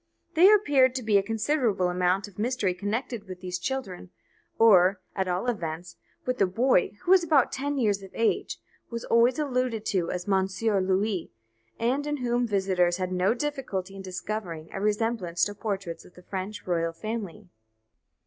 There appeared to be a considerable amount of mystery connected with these children, or at all events with the boy, who was about ten years of age, was always alluded to as "Monsieur Louis," and in whom visitors had no difficulty in discovering a resemblance to portraits of the French royal family.